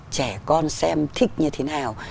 trẻ con xem thích như thế nào